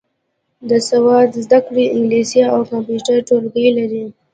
د سواد زده کړې انګلیسي او کمپیوټر ټولګي لري.